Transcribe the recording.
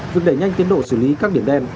việc đẩy nhanh tiến độ xử lý các điểm đen